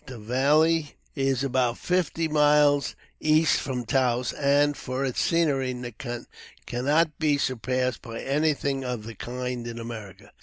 The valley is about fifty miles east from Taos; and, for its scenery, cannot be surpassed by anything of the kind in America.